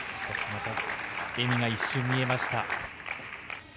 笑みが一瞬見えました。